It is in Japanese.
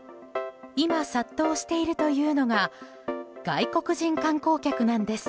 今、殺到しているというのが外国人観光客なんです。